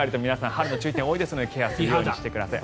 春の注意点多いですのでケアするようにしてください。